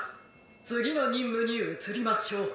つぎのにんむにうつりましょう」。